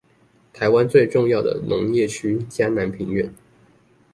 台灣最重要的農業區嘉南平原